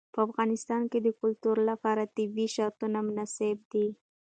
په افغانستان کې د کلتور لپاره طبیعي شرایط مناسب دي.